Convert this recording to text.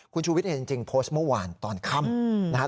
คุณชูวิทย์เองจริงโพสต์เมื่อวานตอนค่ำนะครับ